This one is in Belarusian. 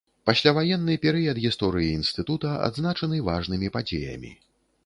Пасляваенны перыяд гісторыі інстытута адзначаны важнымі падзеямі.